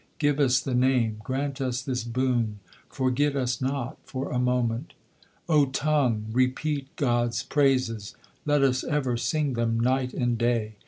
Give us the Name ; grant us this boon, forget us not for a moment. O tongue, repeat God s praises ; let us ever sing them night and day.